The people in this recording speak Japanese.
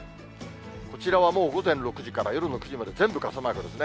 こちらはもう午前６時から夜の９時まで全部傘マークですね。